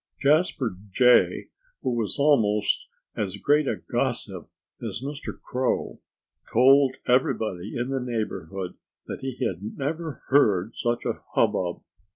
Jasper Jay, who was almost as great a gossip as Mr. Crow, told everybody in the neighborhood that he had never heard such a hubbub.